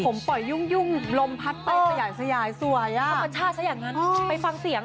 ผมปล่อยยุ่งลมพัดไปสยายสวยอ่ะธรรมชาติซะอย่างนั้นไปฟังเสียง